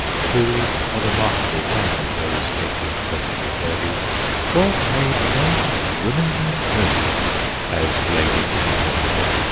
Truly a remarkable family, those eighteenth century Herveys. ' God made men, women, and Herveys,' as Lady Towns hend said.